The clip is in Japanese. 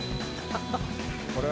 あ